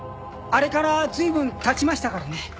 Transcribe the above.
あれから随分経ちましたからね。